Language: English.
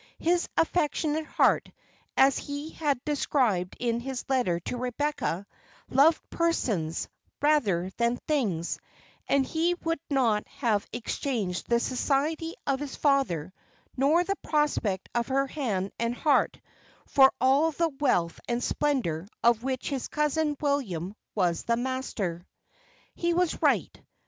His affectionate heart, as he had described in his letter to Rebecca, loved persons rather than things; and he would not have exchanged the society of his father, nor the prospect of her hand and heart, for all the wealth and splendour of which his cousin William was the master. He was right.